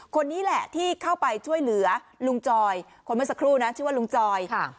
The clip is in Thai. คนนี้แหละที่เข้าไปช่วยเหลือลุงจอยคนเมื่อสักครู่นะชื่อว่าลุงจอยค่ะ